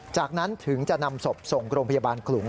จากนั้นถึงจะนำศพส่งโรงพยาบาลขลุง